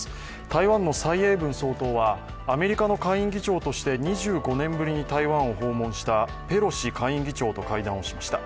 台湾の蔡英文総統は、アメリカの下院議長として２５年ぶりに台湾を訪問したペロシ下院議長と会談をしました。